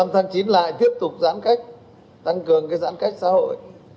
một mươi năm tháng chín lại tiếp tục giãn cách tăng cường cái giãn cách xã hội